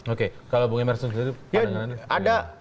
oke kalau bung emerson sudah ada pandangan lain